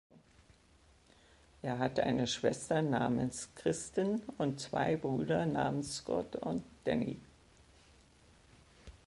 Er hat eine Schwester namens Kristen und zwei Brüder namens Scott und Danny.